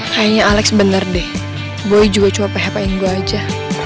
kayaknya alex bener deh boy juga cuma phpin gue aja